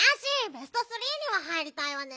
ベストスリーには入りたいわね。